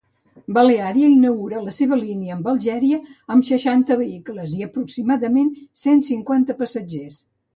Baleària inaugura la seva línia amb Algèria amb seixanta vehicles i aproximadament cent-cinquanta passatgers.